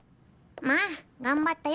まあ頑張ったよ